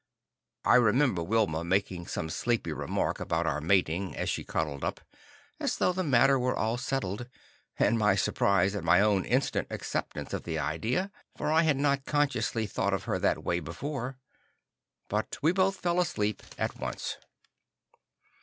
I remember Wilma making some sleepy remark about our mating, as she cuddled up, as though the matter were all settled, and my surprise at my own instant acceptance of the idea, for I had not consciously thought of her that way before. But we both fell asleep at once.